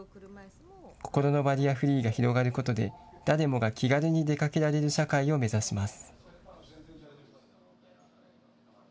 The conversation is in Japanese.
心のバリアフリーが広がることで誰もが気軽に出かけられる社会を目指します。